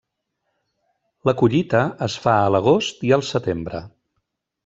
La collita es fa a l'agost i al setembre.